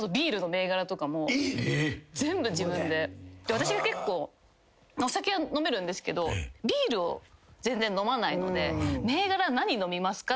私が結構お酒は飲めるんですけどビールを全然飲まないので銘柄何飲みますか？